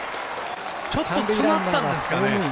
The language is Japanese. ちょっと詰まったんですかね。